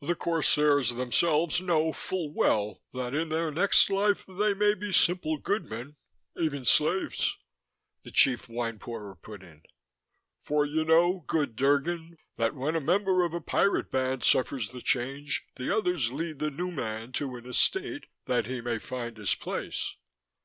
"The corsairs themselves know full well that in their next life they may be simple goodmen even slaves," the Chief Wine Pourer put in. "For you know, good Drgon, that when a member of a pirate band suffers the Change the others lead the newman to an Estate, that he may find his place...."